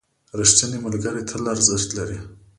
ریښتیني ملګري تل ارزښت لري.